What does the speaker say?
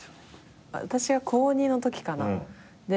私が高２のときかな。